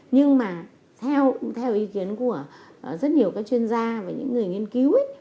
nhưng mà theo ý kiến của rất nhiều các chuyên gia và những người nghiên cứu ấy